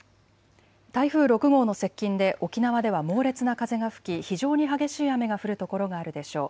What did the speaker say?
台風６号の接近で沖縄では猛烈な風が吹き非常に激しい雨が降る所があるでしょう。